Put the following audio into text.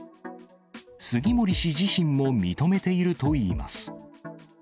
杉森氏自身も認めているといいます。